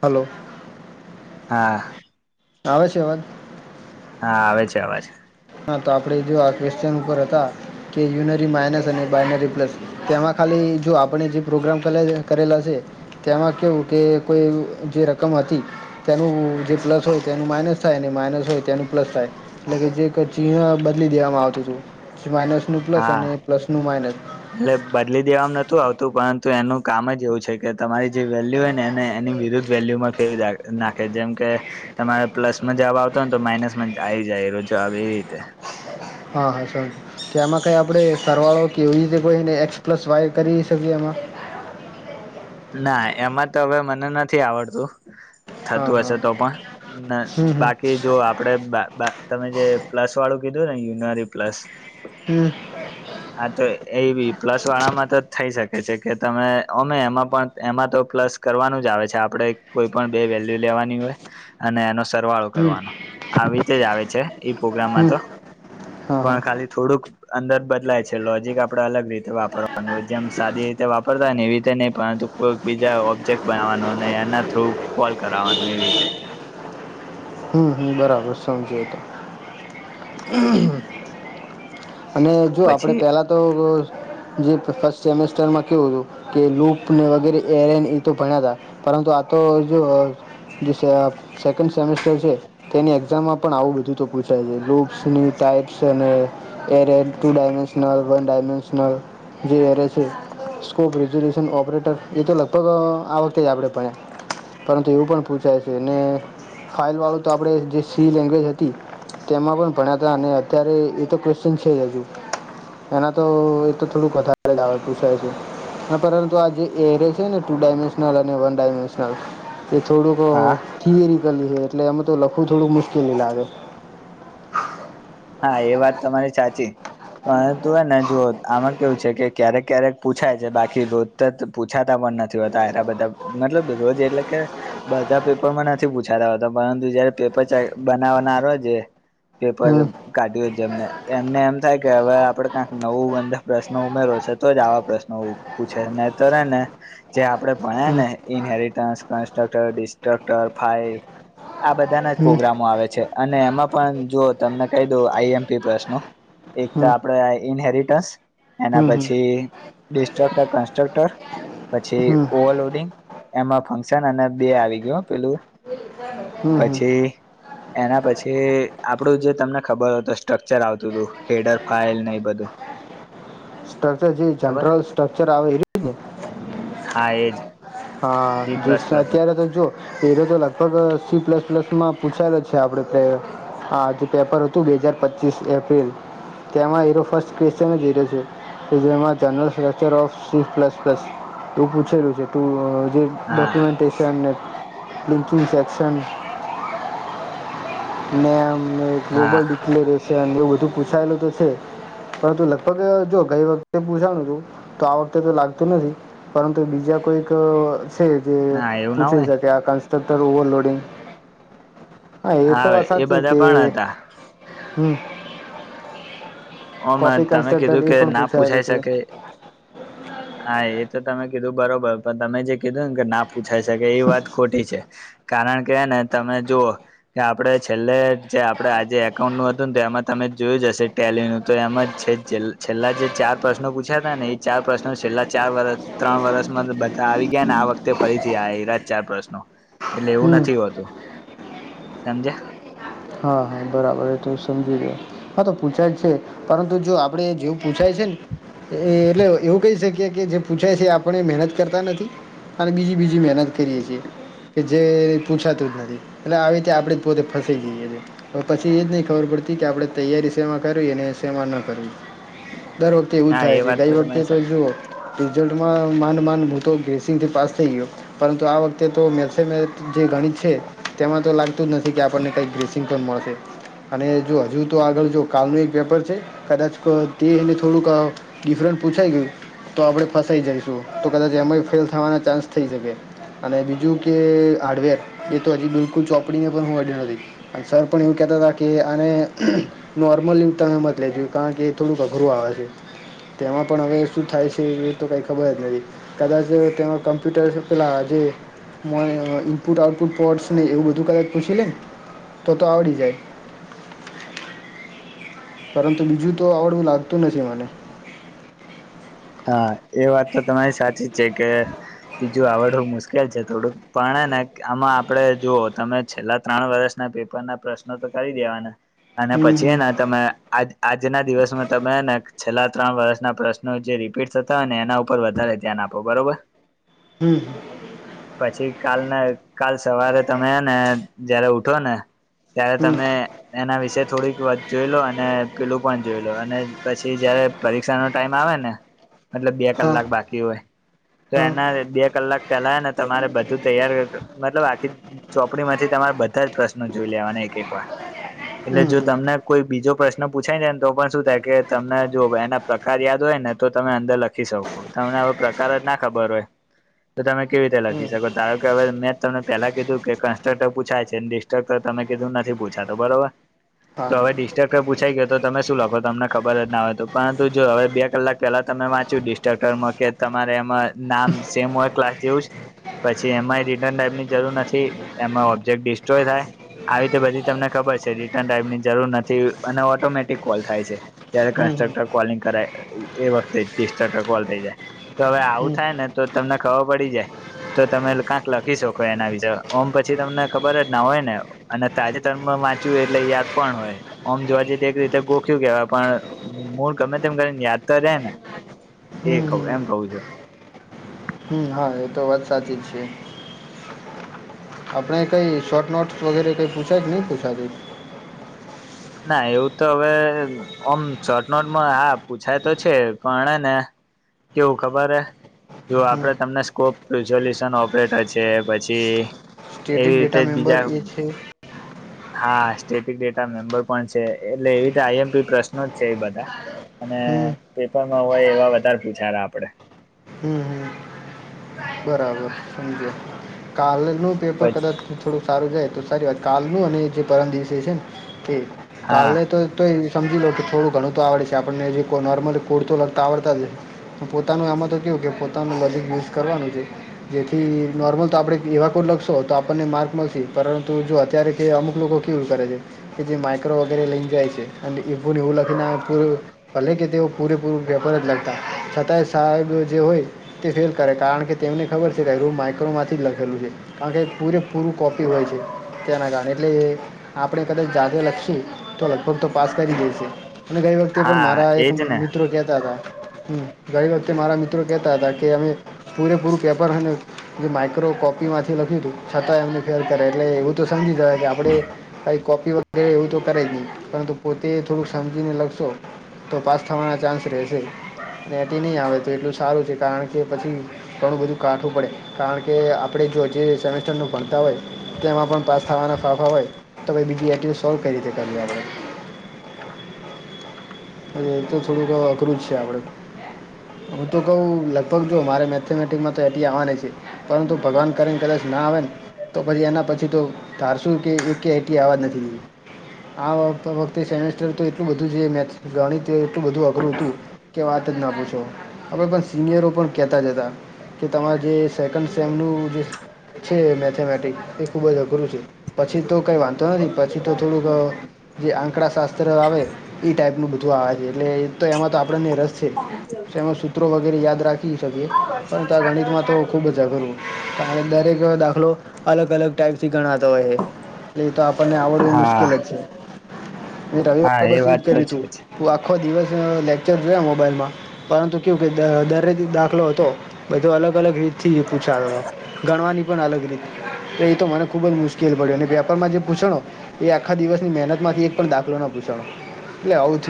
Hello. હા. આવે છે અવાજ. હા આવે છે અવાજ. હા તો આપણે જો આ ક્વેશ્ચન ઉપર હતા કે યુનરી માઇનસ અને બઇનરી પ્લસ તેમાં ખાલી જો આપણે જે પ્રોગ્રામ કરેલા છે. તેમાં કેવું કે કોઈ જે રકમ હતી. તેનું જે પ્લસ હોય તેનું માઇનસ થાય માઇનસ હોય તેનું પ્લસ થાય એટલે કે જે ચિ બદલી દેવામાં આવતું હતું માઇનસનું પ્લસ હા અને પ્લસનું માઇનસ. એટલે બદલી દેવાવામાં નતું આવતું પરંતુ એનું કામ જ એવું છે કે તમારી જે વેલ્યુ હો ને એને એની વિરુદ્ધ વેલ્યુમાં ફેવી નાખે જેમ કે તમારે પ્લસ માં જવાબ આવતો હો ને તો માઇનસમાં જ આવી જાયજબ એવી રીતે. હા હા સા કેમાં કઈ આપણે સરવાળો. કે એવીી કોઈને એક્સ પ્લસ વાય કરી શકીએ એમાં. ના એમાં તો હવે મને નથી આવડતું. હા થતું હા હશે તો પણ હમ હમ બાકી જો આપડે તમે જે પ્લસ વાળું કીધું ને યુનરી પ્લસ. હમ. હા તો એવી પ્લસ વાળામાં તો થઈ શકે છે કે તમે અમે એમાં. પણ એમાં તો પ્લસ કરવાનું જ આવે છે આપણે કોઈ પણ બે વેલ્યુ લેવાની હોય અને એનો સરવાળો હમ કરવાનો આવી રીતે જ આવે છે એ પ્રોગ્રામમાં હમ તો હા હા પણ ખાલી થોડુંક. અંદર બદલાય છે લોજિક આપડે અલગ રીતે વાપરવાનું જેમ સાદી રીતે વાપર. ને એવી રીતે નહી પરંતુ કોઈ બીજા ઓબ્જેક્ટ બનાવવાનું એના થ્રુ કોલ કરાવાનું એવી રીતે. હમ હમ બરાબર સમજ તો. અને જો આપણે પછી પહેલા તો જે ફસ્ટ સેમેસ્ટરમાં કવું હતું. કે લૂપને વગેરે એરેન એ તો ભણ્યા હતા પરંતુ આ તો જો. જી આપ સેકન્ડ સેમેસ્ટર. છે તેની એક્ઝામમાં પણ આવું બધું તો પૂછાય છે લુપ્સની ટાઈપ્સ અને array two dimensional one dimensional જે એરે છે. સ્કોપ રિઝોલ્યુશન ઓપરેટર એ તો લગભગ આ વખતે જ આપણેે પડ્યા. પરંતુ એવું પણ પૂછાય છે એને ફાઇલવાળું તો આપણે જે સી લેંગ્વેજ હતી. તેમાં પણ ભણ્યા હતા અને અત્યારે એ તો ક્વેશ્ચન છે હજુ. એના તો એતો થોડુંક વધારે જ આવે પૂછાય છે. પરંતુ આ જે એરે છે ને ટુ ડાયમેન્શનલ અને વન ડાયમેન્શનલ. એ થોડુંક હા થિયરિકલી છે એટલે એમાં તો લખવું થોડુંક મુશ્કેલી લાગે. હા એ વાત તમારી સાચી પરંતુ હને જુઓ આમાં કેવું છે કે ક્યારેક ક્યારેક, પૂછાય છે, બાકી રોજ તો પૂછાતા પણ નથી હોતા એરા બધા મતલબ રોજ એટલે કે, બધા પેપર માં નથી પૂછાતાતા પરંતુ જયારે પેપર બનાવવાનારો છે પેપર હમ કાઢ્યું જેમને એમને એમ થાય કે હવે આપડે કંક નવું અંદર પ્રશ્નો ઉમેરો છે તો જ આવા પ્રશ્નો. પૂછે નને તો રે ને. જે આપડે ભણ્યા હમ ને inheritance constructor destructor file આ બધાના જ હમ પ્રગ્રામો આવે છે અને એમાં પણ જો તમને કહી દઉ આઈએમપી પ્રશ્નો એક તો હમ આપડે ઇન્હેરિટસ હમ એના હમ પછી ડિસ્ટ્રક્ટર કન્સ્ટ્રક્ટર. પછી હમ ઓવરલોડિંગ એમાં ફંક્શન અને બે આવી ગયું પેલું [inaudible] પછી એના પછી આપડું જે તમને ખબર હોય તો સ્ટ્રકચર આવતું હતું હેડર ફઇલ ને એ બધું. સ્ટ્રક્ચર જે ખબર જનરલ સ્ટ્રક્ચર આવે એરુ ને હા એ જ. હા અત્યારે તો જુઓ પેલો તો લગભગ સી પ્લસ પ્લસ માં પૂછાયેલ જ છે આપડે હાજ પેપર હતું બે હાજાર પચીસ એપ્રિલ, તેમાં હીરો ફર્સ્ટ ક્રિશચન હીરો છે. જેમાં જર્નલ સ્ટિક્ટરચર જે જ એ પૂછેલું છે. ટુ જે હા ડોક્યુમેન્ટેશન ને લિંકિંગ સેક્શન. નેમ, હા ગોબલ ડિક્લેર છે એવું બધું પૂછાયેલું તો છે. પરંતુ લગભગ જો ગઈ વખતે પૂછાનું છું તો આ વખતે તો લાગતું નથી. પરંતુ બીજા કોઈક છે. ના એવું ના પૂછી હોય શકે. આ ક્રક્ટર ઓવરલોડિંગ તો હા એ સાચી બધા કે પણ હતા હમ. ઓ મે કોપી તમે કન્સ્ટ્રક્ટર કીધું કે એ પણ ના પૂછાયેલું પૂછાય છે શકે? હા એ તો તમે કીધું બરોબર પણ તમે જે કીધું ને કે ના પૂછાય શકે એ વાત ખોટી છે. કારણ કે ને તમે જોઓ કે આપડે છેલ્લે જે આપડે આજે એકાઉન્ટ નું હતુંને તો એમાં તમે જોયું જશે ટેલીનું તો એમાં છે છેલ્લા જે ચાર પ્રશ્નો પૂછ્યા હતા ને એ ચાર પ્રશ્નો છેલ્લા ચાર વર ત્રણ વર્ષમાં બધા આવી ગયા ને આ વખતે ફરીથી આ એરા ચાર પ્રશ્નો. એટલે એવું હમ નથી હોતું સમજ્યા.. હા હા બરાબર. તો સમજી દે હા તો પૂછાય છે પરંતુ જો આપડે જેવું પૂછાય છે ને, એ એટલે એવું કહી શકીએ કે જે પૂછાય છે આપણે મહેનત કરતા નથી. અને બીજી બીજી મહેનત કરીએ છીએ. કે જે પૂછાતું જ નથી એટલે આવી રીતે આપણેે જ પોતે ફસ જઈએ હવે પછી એ જ નહી ખબર પડતી કે આપડણે તૈયારી શેમાં કરવી ને શેમાં ન કરવી. દર વખતે એવું જ હા થાય એ છે. વાત ગઈ તમે વખતે તો જુઓ રિઝલ્ટમાં માન માન હું તો ગ્રેસીગ થી પાસ થઈ ગયો. પરંતુ આ વખતે તો મેસે જે ગણિત છે તેમાં તો લાગતું જ નથી કે આપણને કઈક. ચિંતન મળશે. અને જો હજુ તો આગળ જો કાલનું એક પેપર છે કદાચ તે એને થોડુંક. ડિફરન્ટ પૂછાય ગયું તો આપડણે ફસાઈ જઈશું તો કદાચ એમાં ફેલ થવાના ચાન્સ થઈ શકે. અને બીજું કે હાર્ડવેર એ તો હજી બિલકુલ ચોપડીને પણ હું અડ્યું નથી. સર પણ એવું કે હતા કે આને નોર્મલી તમે મત લેજો કારણ કે એ થોડુંક અઘરું આવે છે. તેમાં પણ અવે શું થાય સે એ તો કઈ ખબર નહીં. કદાચ તેમાં કમ્પ્યુટરસ પેલા જે મને અ ઇનપુટ આઉટપુટ પોર્ટસ નેય એવું બધું કદાચ પૂછી લેને ત તો આવડી જાય. પરંતુ બીજું તો આવડવું લાગતું નથી મને. હા એ વાત તો તમારી સાચી જ છે કે બીજું આવડવું મુશ્કેલ છે થોડુંક પણ ને આમાં આપડે જુઓ તમે છેલ્લા ત્રણ વર્ષ ના પેપર ના પ્રશ્નો તો કરી દેવાના અને પછી હમ હને તમે આ આજના દિવસમાં તમેને છેલ્લા ત્રણ વર્ષના પ્રશ્નો જે રીપીટ થતા હોય એના ઉપર વધારે ધ્યાન આપો બરોબર. હમ્મ. પછી કાલ ને કાલ સવારે તમે ને જયારે ઉઠો ને ત્યારે હમ હમ તમે એના વિશે થોડીક વાત જોઈ લો અને પીલું પણ જોઈ લો અને પછી જયારે પરીક્ષાનો ટાઈમ આવે ને મતલબ બે હા કલાક બાકી હોય. તો હા એના બે કલાક પેલા ને તમારે બધું તૈયાર મતલબ આખી ચોપડી માંથી તમારા બધા જ પ્રશ્નો જોઈ લેવાના એક એક વાર એટલે હમ જો હમ તમને કોઈ બીજો પ્રશ્ન પૂછાય જાય ને તો પણ શું થાય કે તમને જોબ એના પ્રકાર યાદ હોય ને તો તમે અંદર લખી શકો તમને અવે પ્રકાર જ ના ખબર હોય તો તમે કેવી રીતે લખી હમ શકો ધારો કે અવે મેં તમને પેલા કીધું કે કન્સ્ટ્રક્ટર પૂછાય છે ને ડીસ ચક ત તમે કીધું નથી પૂછાતો બરોબર હા તો હવે ડિસ્ટરકર પૂછાય ગયો તો તમે શું લખો તમને ખબર જ ના હોય તો પરંતુ જો અવે બે કલાક પેલા તમે વાંચ્યું ડિસ્ટ્રક્ટરમાં કે તમારે એમાં નામ સેમ હોય ક્લાસ જેવું જ પછી એમાંય રિટર્ન ટાઈપની જરૂર નથી એમાં ઓબ્જેક્ટ ડિસ્ટ્રોય થાય. આવી તે બધી તમને ખબર છે રિટર્ન ટાઈપની જરૂર નથી અને ઓટોમેટિક કોલ થાય છે. ત્યારે હમ હમ કન્સ્ટ્રક્ટર કોલિંગ કરાય એ વખતે ડિસ્ટટ કોલ થઈ જાય તો અવે આવું હમ થાય ને તો તમને ખબર પડી જાય તો તમે કાંક લખી શકો એના વિશે ઓમ પછી તમને ખબર જ ના હોય ને અને તાજેતરમાં વાંચ્યું એટલે યાદ પણ હોય ઓમ જોવા જઈએ એક રીતે ગોખ્યું કેવાય પણ મૂળ ગમે તેમ કરીને યાદ તો રે ને એ કઉ હમ એમ કઉ છું. હમ હા એ તો વાત સાચી જ છે. આપણે કંઈ શોર્ટ નોટ્સ વગેરે કંઈ પૂછાય કે નય પૂછાતી. ના એવું તો અવે ઓમ શોર્ટ નોટમાં આ પૂછાય તો છે પણ એને કેવું ખબરે જો હમ આપડે તમને સ્કોપ રિઝોલ્યુશન ઓપરેટર છે પછી સ્ટેટિક એવી રીતે ડેટા જ બીજા મેમ્બર એ છે હા સ્ટેટિક ડેટા મેમ્બર પણ છે એટલે એવી ત આઈ એમ પી પ્રશ્નો જ છે એ બધા અને હમ હમ પેપરમાં હોય એવા વધારે પૂછા તા આપડે. હું હું બરાબર સમજ્યાં કાલ નું પેપર પછી કદાચ થોડુંક સારું જાય તો સારી વાત કાલનું અને જે પરમ દિવસે છે ને એ હા કાલને તો તો એ સમજી લો કે થોડું ઘણું તો આવડે છે આપણને જે કો નોર્મલી કોડતો લકતા આવડતા જ હોય. પોતાનું આમાં તો કેવું કે પોતાનું લોજીક યુઝ કરવાનું છે. જેથી નોર્મલ તો આપડે એવા કોડ લખશો તો આપણને માર્ક મલશે પરંતુ જો અત્યારે કે અમુક લોકો કેવું કરે છે કે જે માઇક્રો વગેરે લઈને જાય છે અને એવુને એવું લખીને આવે પૂરું કે ભલે કે તેઓ પૂરેપૂરું પેપર જ લખતા હોય છતાંય સાયબ જે હોય. તે ફેલ કરે કારણ કે તેમની ખબર છે કાય રૂમ માઇક્રોમાંથી જ લખેલું છે કારણ કે પૂરેપૂરું કોપી હોય છે. તેના કારણે એટલે એ આપણેે કદાચ જાતે લખીએ તો લગભગ તો પાસ કરી દેશે. અને ગઈ વખતે પણ હા મારા એક એજ ને મિત્રો કેતા હતા હમ્મ ગઈ વખતે મારા મિત્રો કેતા અતા કે અમે પૂરેપૂરું પેપર હોયને જે માઇક્રો કોપી માંથી લખ્યું હતું છતાં એમને ફેર કરે એટલે એવું તો સમજી જવાય કે આપડે કઇક કોપી વગેરે એવું તો કરે જ નહી પરંતુ પોતે થોડુંક સમજીને લખશો. તો પાસ થવાના ચાન્સ રહેશે. નેતિ નય આવે તો એટલું સારું છે કારણ કે પછી ઘણું બધું કાઠું પડે. કારણ કે આપડે જો જે સેમેસ્ટર નું ભણતા હોય તેમાં પણ પાસ થવાના ફાંફાં હોય. તો બઈ બીજી એટીઓ સોલ્વ કઈ રીતે કરવી આપડે. એ તો થોડુંક અઘરું જ છે આપડે પ. હું તો કઉ લગભગ જો મારે મેથેમેટિકમાં તો એટી આવાની છે. પરંતુ ભગવાન કરીને કદાચ ના આવે ને. તો પછી એના પછી તો ધારશું કે એક એ એટી આવાજ નથી દીધી. આ વક વખતે સેમેસ્ટર તો એટલું બધું જે મેથ્સ. ગણિત એ એટલું બધું અઘરું ઉતું કે વાત જ ન પૂછો. અવે પણ સિનિયરો પણ કેતા જ હતા કે તમારે જે સેકન્ડ સેમનું જે. છે મેથેમેટિક એ ખુબ જ અઘરું છે પછી તો કઈ વાંધો નથી પછી તો થોડુંક. જે આંકડા શાસ્ત્ર આવે એ ટાઈપ. બધું આવા છે એટલે તો એમાં તો આપણને રસ છે એમાં સૂત્રો વગેરે યાદ રાખી શકીએ. પરંતુ આ ગણિત માં તો ખુબ જ અઘર. ત દરેક દાખલો અલગ અલગ ટાઈપથી ગણાતો હોય છે. એટ એ તો આપણને આવડવું હા મુશ્કેલ જ છે મેં હા રવિવારે એ બસ વાત એજ તો કર્યું તું. છે જ હું આખો દિવસ લેક્ચર જોયા મોબાઈલમાં. પરંતુ કેુ કે દરેથી દાખલો હતો બધો અલગ અલગ રીતથી પૂછાતા હતો. ગણવાની પણ અલગ રી એ તો મને ખુબ જ મુશ્કેલ પડ્યું અને પેપરમાં જે પૂછણ. એ આખા દિવસની મહેનત માંથી એક પણ દાખલો ના પૂછણો એટલે આવ.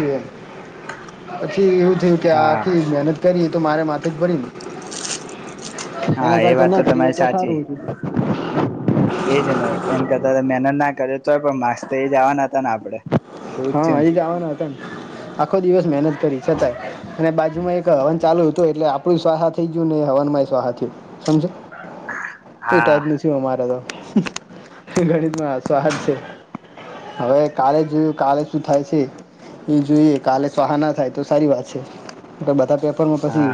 પછી એવું થયું કે હા આખી મહેનત. કરીએ તો મારે માથે જ ભરીને. હા એના એ કરતા વાત ના ફવે તમારી તો સારું હોય. એ જ ને એને કરતા મહેનત ના કરે તોય પણ માસ્ એ જવાના. હા એ ગાવાના હતા આખો દિવસ મહેનત કરી છતાંય. અને બાજુમાં એક હવન ચાલુ હતું એટલે આપડું સ્હા થઈ ગયું ને હવન સ્હા થયું સમજ. એ હા ટાઈપની છે. અમારે તો ગણિતમાં આ સ્વાદ છે હવે. કાલે જોયું કાલે શું થાય છે એ જોઈએ કાલે સહાના થાય તો સારી વાત છે. બધા પેપરમાં પછી. હા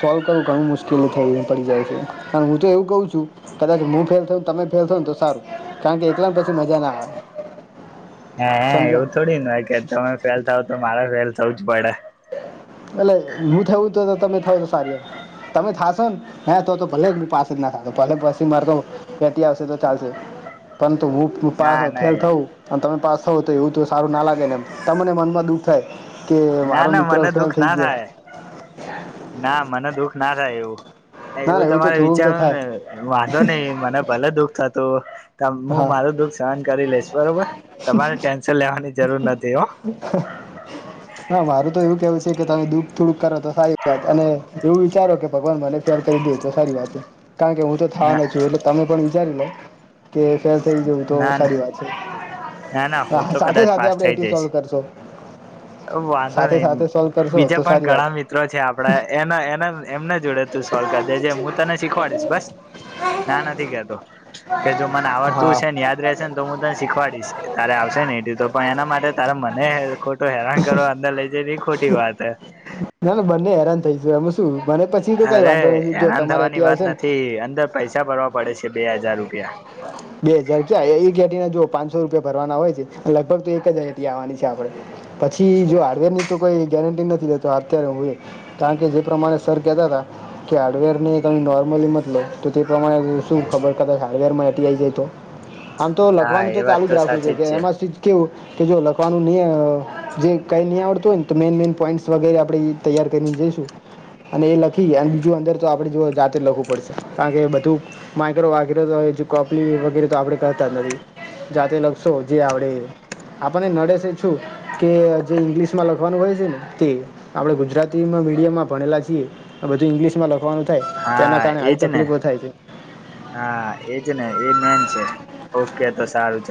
સોલ્વ કરવું ઘણું મુશ્કેલી થઈને પડી જાય છે કાર હું તો એવું કઉ છું. કદાચ હું ફેલ થય તમે ફેલ થય ને તો સારું કારણ કે એકલાને પછી મજા ના આવે. હ હ સમજ્યા એવું થોડી હોય કે તમે ફેલ થાવ તો મારે ફેલ થવું જ પડે. એટલે હું થું તો તમે થ છ સારી વાર. તમે થશો ને હ તો તો ભલે પાસે જ ના થતો ભલે પછી મારે તો. પ આવશે તો ચાલશે પરંતુ હું પા ના ફેલ ના થું. અને તમે પાસ થવો તો એવું તો સારું ના લાગે એ તમને મનમાં દુઃખ થાય કે. ના ના મિત્રો મને ફેલ દુઃખ થઈ ના ગયો. થાય ના મને દુઃખ ના થાય એવું. ના એવું ના તો તમારે થોડુંક તો વિચારવ થાય ને વાંધો નહ મને ભલે દુખ થતું. હું હા મારું દુઃખ સહન કરી લઈશ બરોબર તમારે ટેન્શન લેવાની જરૂર નથી હો. [inaudible] હા મારું તો એવું કેવું છે કે તમે દુઃખ થોડુંક કરો તો સારી વાત. અને એવું વિચારો કે ભગવાન મને પાર કરી દે તો સારી વાત હે. કારણ કે હું તો ના થાવાનો જ છું. એટલે તમે પણ વિચારી લો. કે ફેલ થઇ જવું તો ના સારી વાત છે. ના ના હું હા તો સાથે કદાચ સાથે પાસ આપડ થઈ એટી જઈશ સોલ્વ કરશો. વાંધો સાથે સાથે સોલ્વ નહીિ કરશો બીજા તો પણ સારી વાત ઘણા મિત્રો છે આપડા એના એના એમના જોડે. તું સોલ્વ કરી દેજે હું તને શીખવાડીશ બસ ના નથી કેતો કે જો મને હા આવડતું છેને યાદ રહેશે ને તો હું તને શીખવાડીશ. તારે આવશે ને એટ તો પણ એના માટે તારે મને ખોટો હેરાન કરો અંદર લઇ જઈને એ ખોટી વાત છે. ના ના બંને હેરાન થઈ ગું એમ શું મને પછી તો કઈ અરે! વાંધો નથી જો હેરાન તમારે થવાની એટી વાત આવશે ને નથી, અંદર પૈસા ભરવા પડે છે બે હજાર રૂપિયા. બરા બે હજાર ક્યા એક એટી ના જો પાંચસો રૂપિયા ભરવાના હોય છે, લગભગ તો એક જ એટી આવવાની છે આપડે. પછી જો હાર્ડવેરની તો કોઈ ગેરંટી નથી લેતો અત્યારે હું એ. કારણ કે જે પ્રમાણે સર કેતાતા. કે હાર્ડવેર ની તમે નોર્મલી મત લો. તો તે પ્રમાણે શું ખબર કદાચ હાર્ડવેરમાં એટી આઈ જાય તો? આમ તો હા લખવાનું તો એ ચાલુ વાત જ રાખું છે સાચી કે એમાં સિજ કેવું કે જો લખવાનું નહી જે કઈ નહીં આવડતું હોય ને તો મેન મેન પોઈન્ટ વગેરે આપણે ઈ તૈયાર કરીને જઈશું. અને એ લખી અને બીજું અંદર તો આપણે જો જાતે જ લખવું પડશે. કારણ કે બધું માઇક્રો વાગેરે તો હવે જો કોપલી વગેરે તો આપડે કરતા જ નથી. જાતે લખશો જે આવડે એ. આપણને નડે છે છું કે જે ઈંગ્લિશમાં લખવાનું હોય છે ને તે. આપડે ગુજરાતીમાં મીડિયમમાં ભણેલા છીએ ને બધું ઇંગ્લિશમાં લખ વાનું થાય તેના હા કારણે આવી એજ ને તકલીફો થાય છે. હા એજ ને એ મેન છે. ઓકે તો સારું ચલ